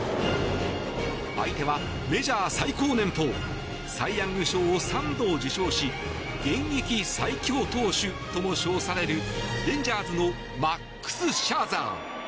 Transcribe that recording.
相手はメジャー最高年俸サイ・ヤング賞を３度受賞し現役最強投手とも称されるレンジャーズのマックス・シャーザー。